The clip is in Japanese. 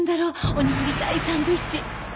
おにぎり対サンドイッチ。